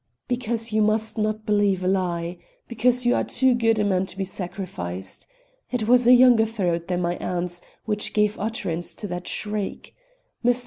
"Because you must not believe a lie. Because you are too good a man to be sacrificed. It was a younger throat than my aunt's which gave utterance to that shriek. Mr.